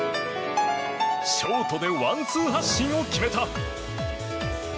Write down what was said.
ショートでワンツー発進を決めた。